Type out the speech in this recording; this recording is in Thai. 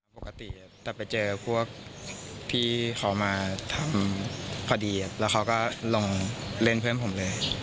ปกติแต่ไปเจอพวกพี่เขามาทำพอดีแล้วเขาก็ลงเล่นเพื่อนผมเลย